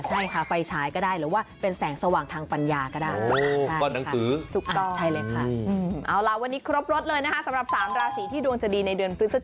ใช่ค่ะไฟฉายก็ได้หรือว่าเป็นแสงสว่างทางปัญญาก็ได้